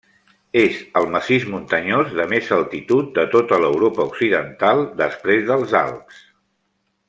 És el massís muntanyós de més altitud de tota l'Europa occidental, després dels Alps.